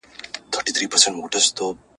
شرمنده دي مشران وي ستا كردار ته ,